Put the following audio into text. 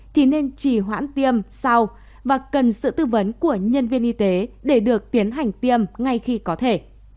thì nên chỉ hoãn tiêm sau và cần sự tư vấn của nhân viên y tế để được tiến hành tiêm ngay khi có thể